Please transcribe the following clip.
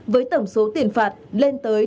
với tổng số tiền phạt lên tới